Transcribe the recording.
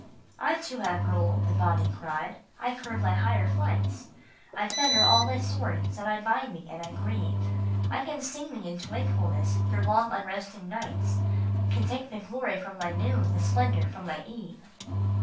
SOUL AND BODY. 243 " I too have rule," the Body cried. " I curb thy higher flights ; I fetter all thy soarings, and I bind thee, and I grieve. I can sting thee into wakefulness through long, unresting nights ; Can take the glory from thy noon, the splendor from thy eve."